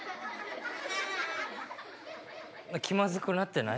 何か気まずくなってない？